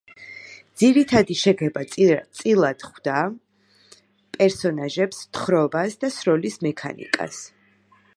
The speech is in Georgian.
ძირითადი შექება წილად ხვდა პერსონაჟებს, თხრობას და სროლის მექანიკას.